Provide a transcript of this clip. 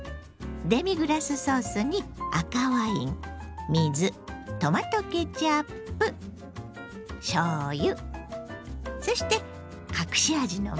デミグラスソースに赤ワイン水トマトケチャップしょうゆそして隠し味のみそ。